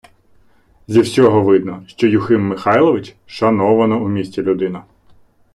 Зі всього видно, що Юхим Михайлович – шанована у місті людина.